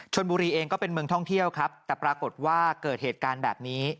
ชนบุรีเองก็เป็นเมืองท่องเที่ยวครับแต่ปรากฏว่าเกิดเหตุการณ์แบบนี้